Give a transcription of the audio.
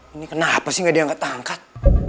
ini kenapa sih nggak diangkat angkat